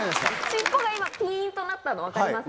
シッポが今ピンとなったの分かりますか？